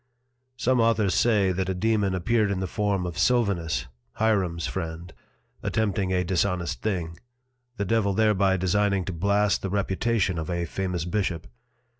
Some Authors say, that a Dæmon appeared in the form of Sylvanus (Hierom's Friend) attempting a dishonest thing, the Devil thereby designing to blast the Reputation of a famous Bishop.